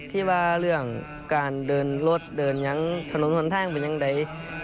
ที่ว่าเรื่องการเดินรถเดินยังถนนหนทางเป็นอย่างใด